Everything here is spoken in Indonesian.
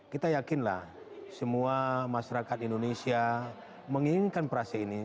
kita yakinlah semua masyarakat indonesia menginginkan prase ini